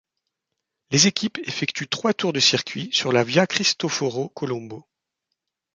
Les équipes effectuent trois tours de circuit sur la Via Cristoforo Colombo.